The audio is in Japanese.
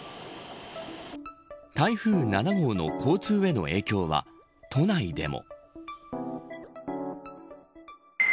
台風７号の交通への影響は都内でも。